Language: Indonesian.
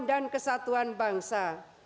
dan kesatuan bangsa